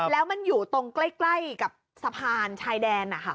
แล้วมันอยู่ตรงใกล้กับสะพานชายแดน